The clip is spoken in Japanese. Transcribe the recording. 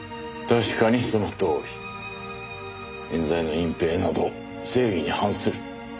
確かにそのとおり。冤罪の隠蔽など正義に反する。